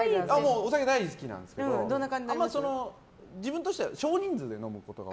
お酒大好きなんですけど自分としては少人数で飲むことが